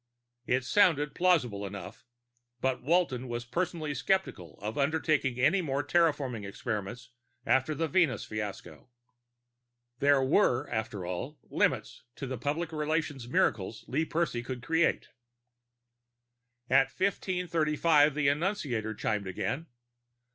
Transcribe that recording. It sounded plausible enough, but Walton was personally skeptical of undertaking any more terraforming experiments after the Venus fiasco. There were, after all, limits to the public relations miracles Lee Percy could create. At 1535 the annunciator chimed again.